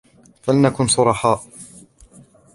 فلنكن صرحاء.